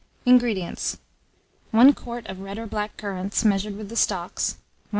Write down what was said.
INGREDIENTS. 1 quart of red or black currants, measured with the stalks, 1/4 lb.